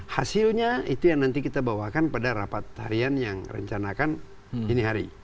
hasilnya itu yang nanti kita bawakan pada rapat harian yang direncanakan hari ini